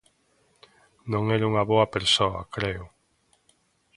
Non era unha boa persoa, creo.